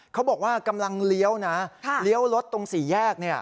เขาบอกว่ากำลังเลี้ยวนะเลี้ยวรถตรงสี่แยก